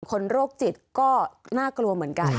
คนโรคจิตก็น่ากลัวเหมือนกัน